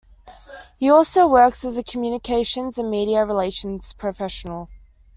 He also works as a communications and media relations professional.